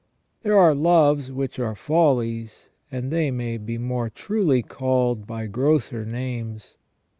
There are loves which are follies, and they may be more truly called by grosser names.